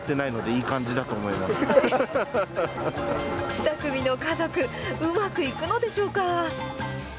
２組の家族、うまくいくのでしょうか。